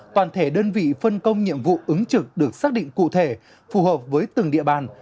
toàn thể đơn vị phân công nhiệm vụ ứng trực được xác định cụ thể phù hợp với từng địa bàn